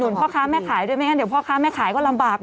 และโยยำโยยแบบ